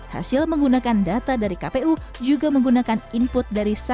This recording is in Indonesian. hasil menggunakan data dari kpu juga menggunakan input data